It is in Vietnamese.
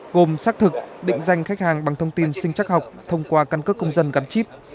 gồm xác thực định danh khách hàng bằng thông tin sinh chắc học thông qua căn cước công dân gắn chip